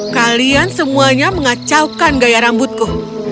kalian semuanya mengacaukan gaya rambutku